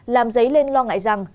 làm giấy lên lo ngại rằng